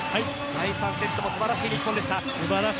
第３セットも素晴らしい戦いでした。